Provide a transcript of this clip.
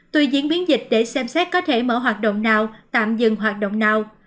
tuy diễn biến dịch để xem xét có thể mở hoạt động nào tạm dừng hoạt động nào